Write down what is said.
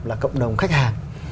là cộng đồng khách hàng